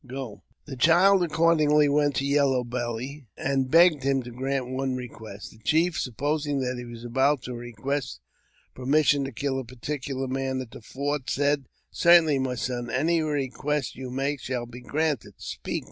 Go !" The child accordingly went to Yellow Belly, and begged him to grant one request. The chief, supposing that he was about to request permission to kill a particular man at the fort, said, Certainly, my son ; any request you make shall be grant Speak